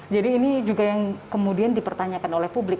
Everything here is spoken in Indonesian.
jadi ini juga yang kemudian dipertanyakan oleh publik